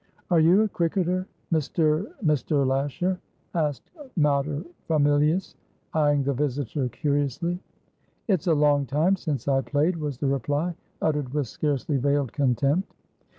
"Are you a cricketer, Mr.Mr. Lasher?" asked materfamilias, eyeing the visitor curiously. "It's a long time since I played," was the reply, uttered with scarcely veiled contempt.